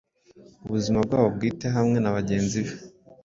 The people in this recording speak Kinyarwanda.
Ubuzima bwabo bwite hamwe nabagenzi be